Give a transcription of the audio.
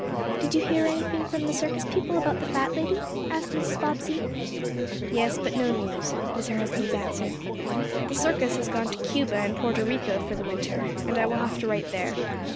"Did you hear anything from the circus people about the fat lady?" asked Mrs. Bobbsey. "Yes, but no news," was her husband's answer. "The circus has gone to Cuba and Porto Rico for the winter, and I will have to write there.